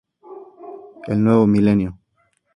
El nuevo Milenio.